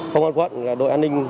công an quận đội an ninh